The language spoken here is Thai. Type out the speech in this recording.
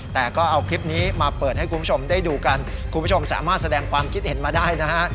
แต่ก็เอาคลิปนี้มาเปิดให้คุณผู้ชมได้ดูกันคุณผู้ชมสามารถแสดงความคิดเห็นมาได้นะฮะ